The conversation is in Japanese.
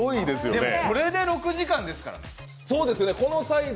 これで６時間ですからね。